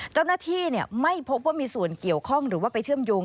เจ้าหน้าที่ไม่พบว่ามีส่วนเกี่ยวข้องหรือว่าไปเชื่อมโยง